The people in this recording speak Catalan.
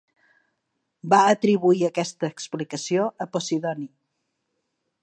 Va atribuir aquesta explicació a Posidoni.